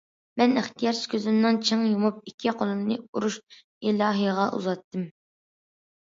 مەن ئىختىيارسىز كۆزۈمنى چىڭ يۇمۇپ ئىككى قولۇمنى ئۇرۇش ئىلاھىغا ئۇزاتتىم.